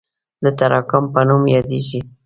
د تراکم په نوم یادیږي.